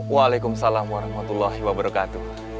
waalaikumsalam warahmatullahi wabarakatuh